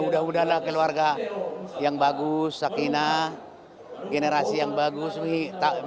udah udahlah keluarga yang bagus sakina generasi yang bagus nih takutnya ini juga ini juga ini juga